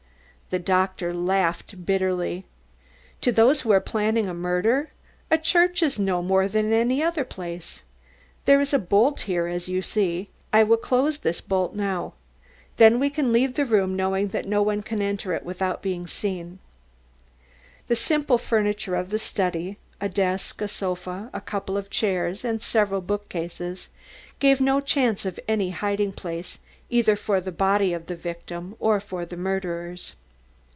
The doctor laughed bitterly. "To those who are planning a murder, a church is no more than any other place. There is a bolt here as you see. I will close this bolt now. Then we can leave the room knowing that no one can enter it without being seen." The simple furniture of the study, a desk, a sofa, a couple of chairs and several bookcases, gave no chance of any hiding place either for the body of the victim or for the murderers.